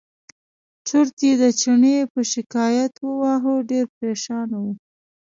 چورت یې د چڼي په شکایت وواهه ډېر پرېشانه و.